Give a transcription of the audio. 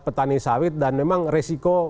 petani sawit dan memang resiko